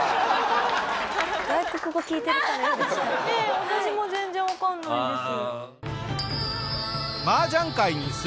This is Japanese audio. ねえ私も全然わかんないです。